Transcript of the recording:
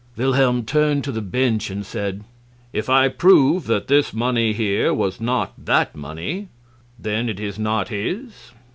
Wilhelm turned to the bench and said: "If I prove that this money here was not that money, then it is not his?"